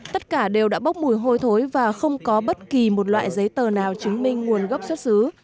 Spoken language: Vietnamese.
tất cả đều đã bốc mùi hôi thối và không có bất kỳ một loại giấy tờ nào chứng minh nguồn gốc xuất xứ